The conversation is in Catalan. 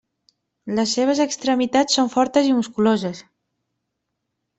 Les seves extremitats són fortes i musculoses.